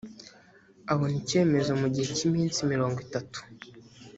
abona icyemezo mu gihe cy’ iminsi mirongo itatu